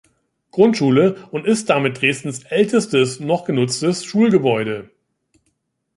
Grundschule und ist damit Dresdens ältestes noch genutztes Schulgebäude.